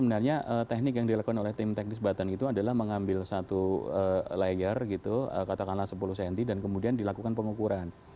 sebenarnya teknik yang dilakukan oleh tim teknis batan itu adalah mengambil satu layar gitu katakanlah sepuluh cm dan kemudian dilakukan pengukuran